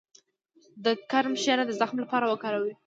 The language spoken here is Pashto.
د کرم شیره د زخم لپاره وکاروئ